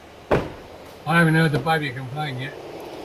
I haven't heard the baby complain yet.